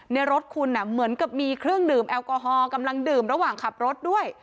ในรถคุณเหมือนกับมีเครื่องดื่มแอลกอฮอล์กำลังดื่มระหว่างขับรถด้วย